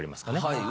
はい。